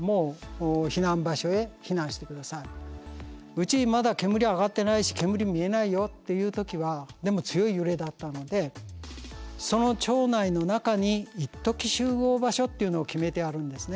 うちまだ煙上がってないし煙見えないよっていう時はでも強い揺れだったのでその町内の中に一時集合場所っていうのを決めてあるんですね。